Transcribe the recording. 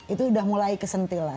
itu udah mulai kesentil lah